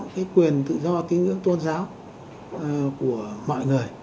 về tôn trọng cái quyền tự do tính ứng tôn giáo của mọi người